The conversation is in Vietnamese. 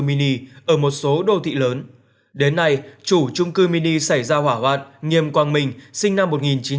mini ở một số đô thị lớn đến nay chủ trung cư mini xảy ra hỏa hoạn nghiêm quang minh sinh năm